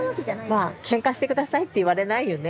まあ「けんかして下さい」って言われないよね。